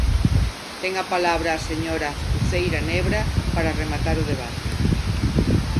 Ten a palabra a señora Uceira Nebra para rematar o debate.